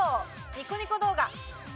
ニコニコ動画。